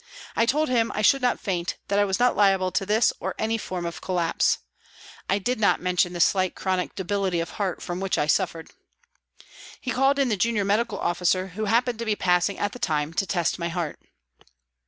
I told him I should not faint, that I was not liable to this or any form of collapse ; I did not mention the slight chronic debility of heart from which I suffered. He called in the junior medical officer, who happened to be passing at the time, to test my heart.